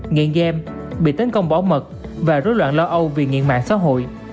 nghiện game bị tấn công bảo mật và rối loạn lo âu vì nghiện mạng xã hội